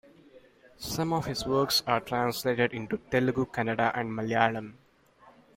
Some of his works are translated into Telugu, Kannada and Malayalam.